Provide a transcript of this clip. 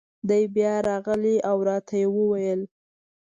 دی بیا راغی او را ته یې وویل: